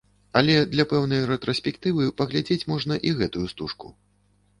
Але для пэўнай рэтраспектывы паглядзець можна і гэтую стужку.